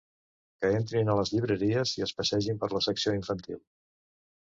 Que entrin a les llibreries i es passegin per la secció infantil.